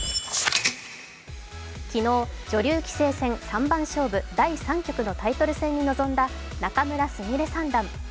昨日、女流棋聖戦三番勝負第３局のタイトル戦に臨んだ仲邑菫三段。